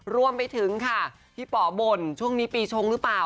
รวมไปถึงค่ะพี่ป๋อบ่นช่วงนี้ปีชงหรือเปล่า